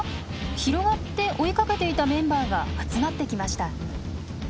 広がって追いかけていたメンバーが集まってきました。